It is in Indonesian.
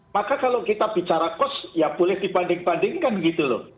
maka kalau kita bicara kos ya boleh dibanding bandingkan gitu loh